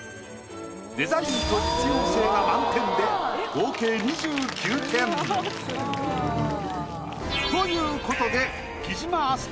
デザインと実用性が満点で合計２９点。という事でさあ貴島さん